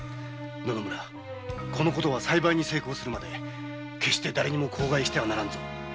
この事は栽培に成功するまでだれにも口外してはならぬぞ。